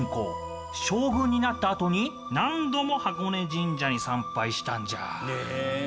将軍になったあとに何度も箱根神社に参拝したんじゃ。